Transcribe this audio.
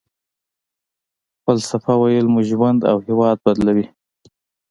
فلسفه ويل مو ژوند او هېواد بدلوي.